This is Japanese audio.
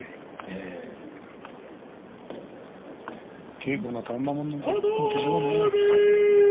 稽古のたまものでしょうね。